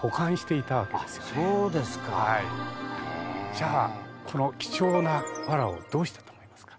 じゃあこの貴重なわらをどうしたと思いますか？